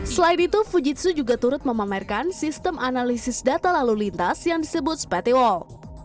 selain itu fujitsu juga turut memamerkan sistem analisis data lalu lintas yang disebut spati wall